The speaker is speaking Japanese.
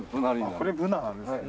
これブナの木ですね。